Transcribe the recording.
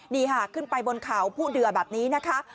ดีฮะขึ้นไปบนข่าวผู้เดือแบบนี้นะฮะ